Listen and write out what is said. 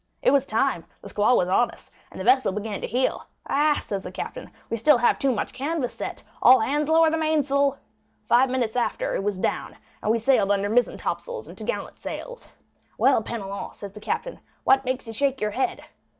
It was time; the squall was on us, and the vessel began to heel. 'Ah,' said the captain, 'we have still too much canvas set; all hands lower the mainsail!' Five minutes after, it was down; and we sailed under mizzen topsails and top gallant sails. 'Well, Penelon,' said the captain, 'what makes you shake your head?